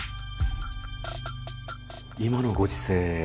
今のご時世